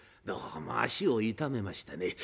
どうも足を痛めましてね